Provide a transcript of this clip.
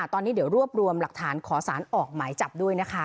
ตอนนี้เดี๋ยวรวบรวมหลักฐานขอสารออกหมายจับด้วยนะคะ